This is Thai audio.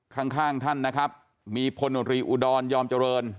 ข้างข้างท่านนะครับมีพลโนตรีอุดรยอมเจริญ